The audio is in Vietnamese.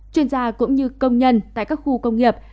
chuyên gia cũng như công nhân tại các khu công nghiệp